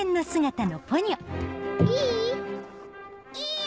いい？